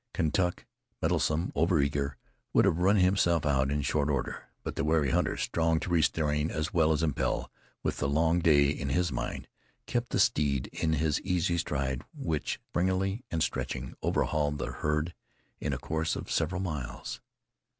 Kentuck, mettlesome, over eager, would have run himself out in short order, but the wary hunter, strong to restrain as well as impel, with the long day in his mind, kept the steed in his easy stride, which, springy and stretching, overhauled the herd in the course of several miles.